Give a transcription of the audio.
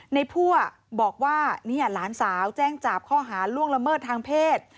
พั่วบอกว่านี่หลานสาวแจ้งจับข้อหาล่วงละเมิดทางเพศ